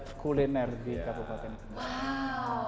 kita kuliner di kabupaten